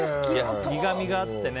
苦みがあってね。